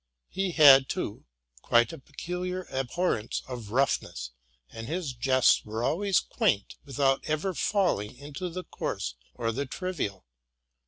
He had, too, quite a peculiar abhorrence of roughness; and his jests were always quaint without ever falling into the coarse or the trivial.